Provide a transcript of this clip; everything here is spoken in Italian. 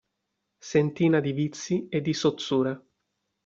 Sentina di vizi e di sozzure.